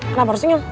kenapa harus senyum